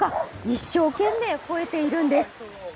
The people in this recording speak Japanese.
一生懸命ほえているんです。